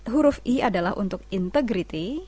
huruf i adalah untuk integrity